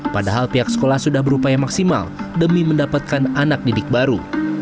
padahal pihak sekolah sudah berupaya maksimal demi mendapatkan anak didik baru